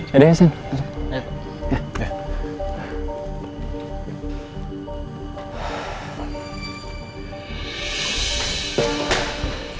yaudah ya sen masuk